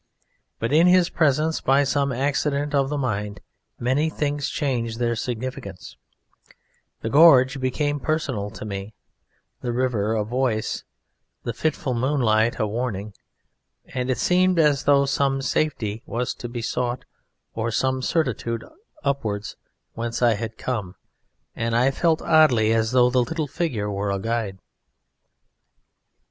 But in his presence by some accident of the mind many things changed their significance: the gorge became personal to me, the river a voice, the fitful moonlight a warning, and it seemed as though some safety was to be sought, or some certitude, upwards, whence I had come, and I felt oddly as though the little figure were a guide.